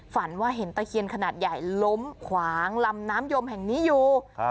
ฝันว่าเห็นตะเคียนขนาดใหญ่ล้มขวางลำน้ำยมแห่งนี้อยู่